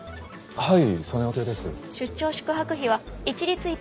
はい。